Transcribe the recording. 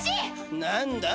何だ！